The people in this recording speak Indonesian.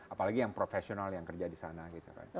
apalagi yang professional yang kerja di sana gitu right